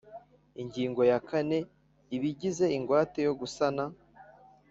Ingingo ya kane Ibigize ingwate yo gusana